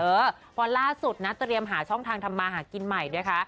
เพราะล่าสุดนะเตรียมหาช่องทางทำมาหากินใหม่นะคะ